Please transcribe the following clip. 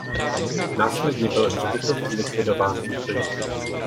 Následně byl hřbitov zlikvidován úplně.